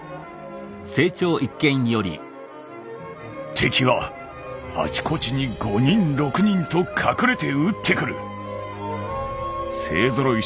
「敵はあちこちに五人六人と隠れて撃ってくる」。